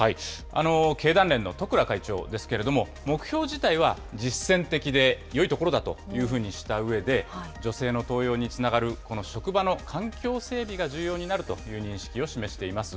経団連の十倉会長ですけれども、目標自体は実践的でよいところだというふうにしたうえで、女性の登用につながるこの職場の環境整備が重要になると認識を示しています。